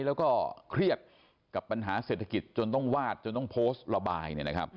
แล้วก็เครียดกับปัญหาเศรษฐกิจจนต้องวาดจนต้องโพสต์ระบาย